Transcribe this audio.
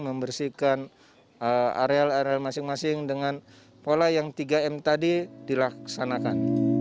membersihkan areal areal masing masing dengan pola yang tiga m tadi dilaksanakan